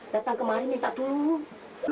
datang kemari minta tolong